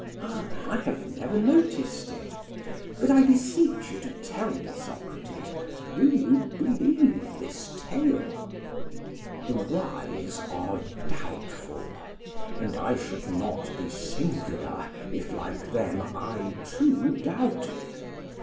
PHAEDRUS: I have never noticed it; but I beseech you to tell me, Socrates, do you believe this tale? SOCRATES: The wise are doubtful, and I should not be singular if, like them, I too doubted.